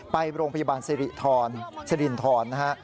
ไปโรงพยาบาลสิริธรสิรินทรนะฮะ